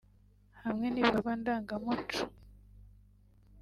hamwe n’ibikorwa ndangamuco